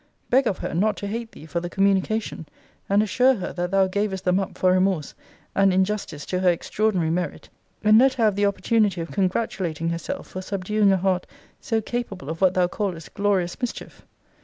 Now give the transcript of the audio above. Beg of her not to hate thee for the communication; and assure her, that thou gavest them up for remorse, and in justice to her extraordinary merit: and let her have the opportunity of congratulating herself for subduing a heart so capable of what thou callest glorious mischief.